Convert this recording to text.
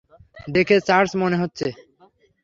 দেখে চার্চ মনে হচ্ছে।